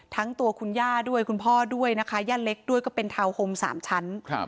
ทั้งตัวคุณย่าด้วยคุณพ่อด้วยนะคะย่าเล็กด้วยก็เป็นทาวน์โฮม๓ชั้น